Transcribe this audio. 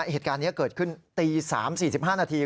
เหตุการณ์นี้เกิดขึ้นตี๓๔๕นาที